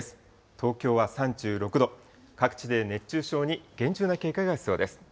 東京は３６度、各地で熱中症に厳重な警戒が必要です。